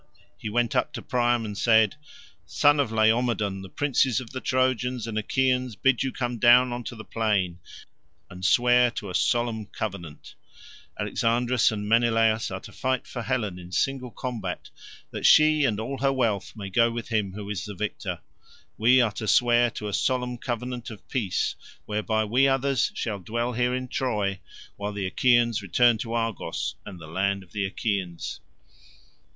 He went up to Priam and said, "Son of Laomedon, the princes of the Trojans and Achaeans bid you come down on to the plain and swear to a solemn covenant. Alexandrus and Menelaus are to fight for Helen in single combat, that she and all her wealth may go with him who is the victor. We are to swear to a solemn covenant of peace whereby we others shall dwell here in Troy, while the Achaeans return to Argos and the land of the Achaeans."